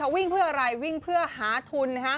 วิ่งเพื่ออะไรวิ่งเพื่อหาทุน